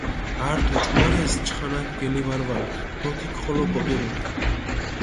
ართ ოჭუმარეს, ჩხანაქ გელივარვალჷ დო თიქ ხოლო გოპირუ.